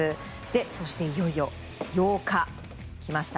そしていよいよ８日、来ました。